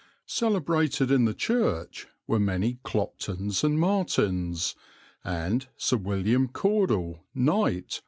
Celebrated in the church were many Cloptons and Martins, and "Sir William Cordell, Knt.